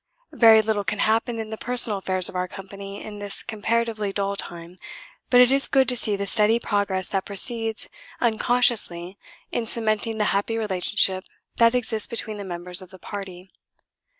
Very little can happen in the personal affairs of our company in this comparatively dull time, but it is good to see the steady progress that proceeds unconsciously in cementing the happy relationship that exists between the members of the party.